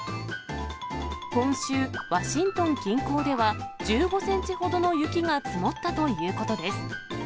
今週、ワシントン近郊では、１５センチほどの雪が積もったということです。